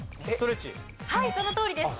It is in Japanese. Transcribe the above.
はいそのとおりです。